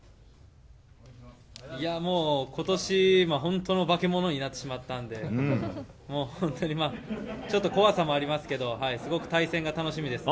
いやぁ、もうことし、本当の化け物になってしまったんで、もう本当にまあ、ちょっと怖さもありますけど、すごく対戦が楽しみです。